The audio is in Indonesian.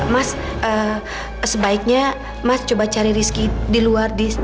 mas sebaiknya mas coba cari rizky di luar